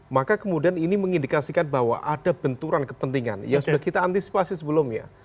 maka kemudian ini mengindikasikan bahwa ada benturan kepentingan yang sudah kita antisipasi sebelumnya